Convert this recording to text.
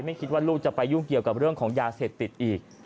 คิดว่าลูกจะไปยุ่งเกี่ยวกับเรื่องของยาเสพติดอีก